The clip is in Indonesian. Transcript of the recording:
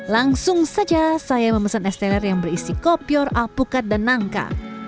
langsung saja saya memesan esteller yang berisi kopior alpukat dan nangka